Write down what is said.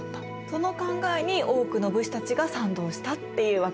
その考えに多くの武士たちが賛同したっていうわけですね？